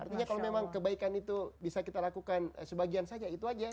artinya kalau memang kebaikan itu bisa kita lakukan sebagian saja itu aja